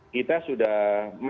kita sudah masih memberikan kepentingan